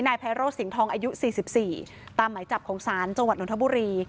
นายแพ้โรศสิงห์ทองอายุสี่สิบสี่ตามหมายจับของศาลจังหวัดนทบุรี